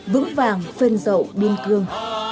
vững vàng phên dậu đêm kids